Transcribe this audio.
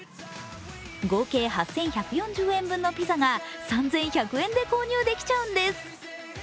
合計８１４０円分のピザが３１００円で購入できちゃうんです。